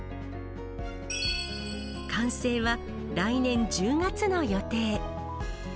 完成は来年１０月の予定。